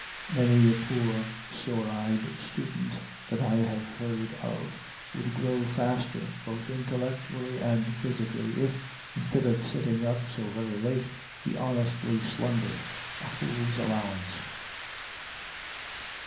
Many a poor, sore eyed student that I have heard of would grow faster, both intellectually and physically, if, instead of sitting up so very late, he honestly slumbered a fool's allowance.